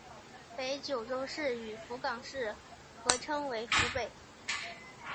北九州市与福冈市合称为福北。